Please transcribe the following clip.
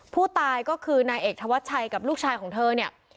ผู้ตายก็คือนายเอกธวัชชัยกับลูกชายของเธอเนี่ย